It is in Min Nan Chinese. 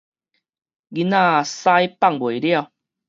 囡仔屎放未了